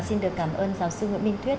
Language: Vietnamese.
xin được cảm ơn giáo sư nguyễn minh thuyết